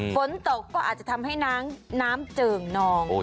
ฝนตกก็อาจจะทำให้น้ำเจิ่งนอง